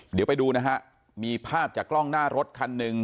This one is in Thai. เดี๋ยวไปดูนะฮะมีภาพจากกล้องหน้ารถคันหนึ่ง